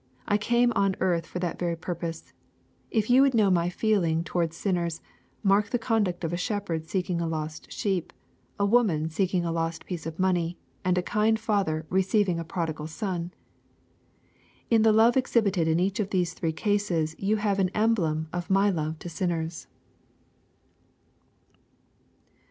I came on earth for that very purpose. If you would know my feeling towards sinners, mark the conduct of a shepherd seeking a lost sheep, a woman seeking a lost piece of money, and a kind father receiving a prodigal son. In the love exhibited in each of these three cases you have an emblem of my love to sin ners."